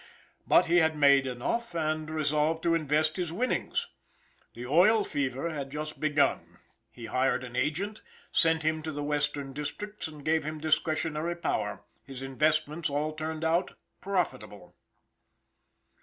But he had made enough, and resolved to invest his winnings, The oil fever had just begun; he hired an agent, sent him to the western districts and gave him discretionary power; his investments all turned out profitable.